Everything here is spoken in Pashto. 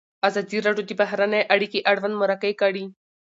ازادي راډیو د بهرنۍ اړیکې اړوند مرکې کړي.